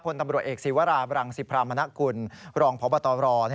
ตำรวจเอกศีวราบรังสิพรามณกุลรองพบตร